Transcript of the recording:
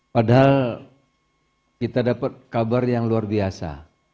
padahal kita dapat kabar yang luar biasa